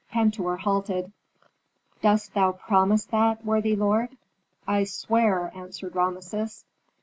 Pentuer halted. "Dost thou promise that, worthy lord?" "I swear!" answered Rameses.